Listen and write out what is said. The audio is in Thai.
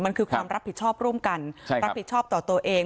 มันคือความรับผิดชอบร่วมกันรับผิดชอบต่อตัวเอง